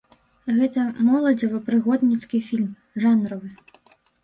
Гэта моладзевы прыгодніцкі фільм, жанравы.